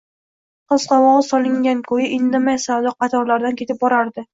qiz qovog‘i solingan ko‘yi, indamay savdo qatorlaridan ketib borardi.